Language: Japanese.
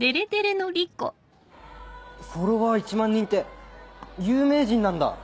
フォロワー１万人って有名人なんだ。